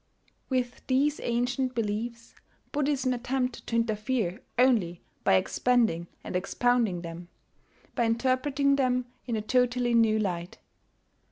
With these ancient beliefs Buddhism attempted to interfere only by expanding and expounding them, by interpreting them in a totally new light.